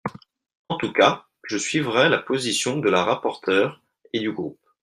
En tout cas, je suivrai la position de la rapporteure et du groupe.